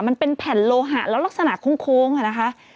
มันเป็นแผ่นโลหะแล้วลักษณะโค้งอะนะคะ